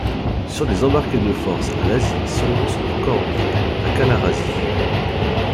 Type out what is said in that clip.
Sur les embarquées de force à Iași, seulement sont encore en vie à Călărași.